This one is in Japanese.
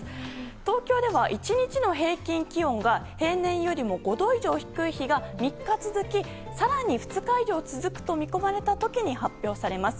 東京では１日の平均気温が平年よりも５度以上低い日が３日続き更に２日以上続くと見込まれた時に発表されます。